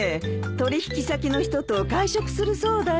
取引先の人と外食するそうだよ。